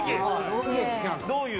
どういう？